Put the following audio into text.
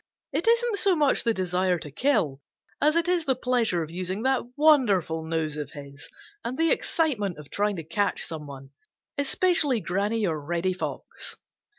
It isn't so much the desire to kill as it is the pleasure of using that wonderful nose of his and the excitement of trying to catch some one, especially Granny or Reddy Fox.